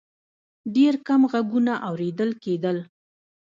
ډېر کم غږونه اورېدل کېدل.